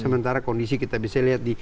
sementara kondisi kita bisa lihat di